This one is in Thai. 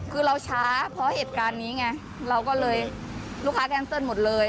คือเราช้าเพราะเหตุการณ์นี้ไงเราก็เลยลูกค้าแคนเซิลหมดเลย